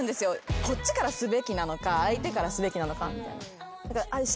こっちからすべきなのか相手からすべきなのか。